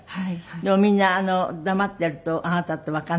でもみんな黙ってるとあなたってわかんない？